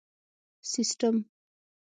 سیسټم